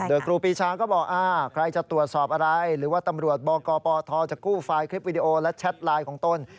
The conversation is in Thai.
โดยครูปีชาก็บอกใครจะตรวจสอบอะไรหรือว่าตำรวจบกปทจะกู้ไฟล์คลิปวิดีโอและแชทไลน์ของตน